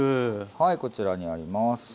はいこちらにあります。